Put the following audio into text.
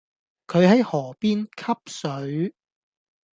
佢係河邊吸水